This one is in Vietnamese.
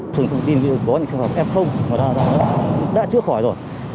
trường thông tin có những trường hợp f đã chứa khỏi rồi